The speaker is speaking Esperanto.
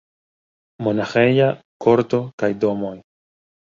Monaĥeja korto kaj domoj.